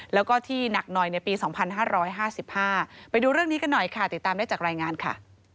แล้วก็ที่หนักหน่อยในปี๒๕๕๕ไปดูเรื่องนี้กันหน่อยค่ะติดตามได้จากรายงานค่ะ